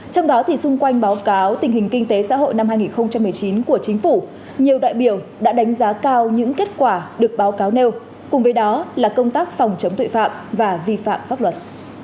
trong đó thì xung quanh báo cáo tình hình kinh tế xã hội năm hai nghìn một mươi chín của chính phủ nhiều đại biểu đã đánh giá cao những kết quả được báo cáo nêu cùng với đó là công tác phòng chống tội phạm và vi phạm pháp luật